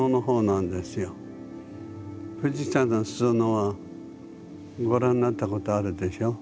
富士山のすそ野はご覧なったことあるでしょう？